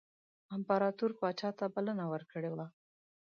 امپراطور پاچا ته بلنه ورکړې وه.